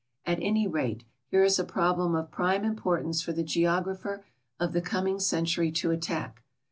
At any rate, here is a problem of prime importance for the geog rapher of the coming century to attack.